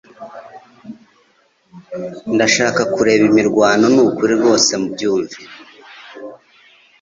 Ndashaka kureba imirwano nukuri rwose byumve